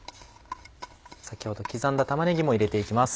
先ほど刻んだ玉ねぎも入れて行きます。